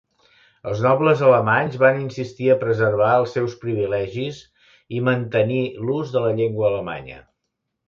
Els nobles alemanys van insistir a preservar els seus privilegis i mantenir l'ús de la llengua alemanya.